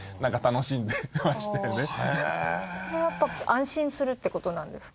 それはやっぱ安心するって事なんですか？